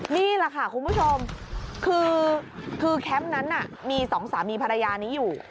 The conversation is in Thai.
นี่แหละค่ะคุณผู้ชมคือแคมป์นั้นมีสองสามีภรรยานี้อยู่